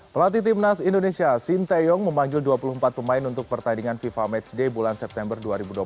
pelatih timnas indonesia sinteyong memanggil dua puluh empat pemain untuk pertandingan fifa matchday bulan september dua ribu dua puluh